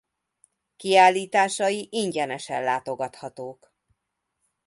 Kiállításai ingyenesen látogathatók.